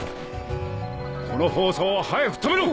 この放送を早く止めろ！